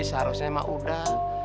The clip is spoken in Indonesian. seharusnya emak udah